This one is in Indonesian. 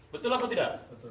betul apa tidak